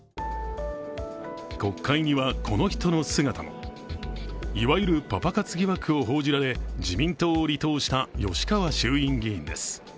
国会には、この人の姿もいわゆるパパ活疑惑を報じられ自民党を離党した吉川衆院議員です。